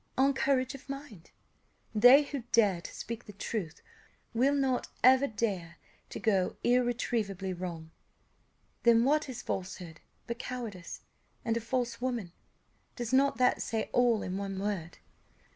on courage of the mind. They who dare to speak the truth, will not ever dare to go irretrievably wrong. Then what is falsehood but cowardice? and a false woman! does not that say all in one word?"